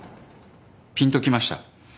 ぴんときました。